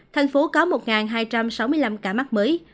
thành phố có một hai trăm sáu mươi năm ca mắc mới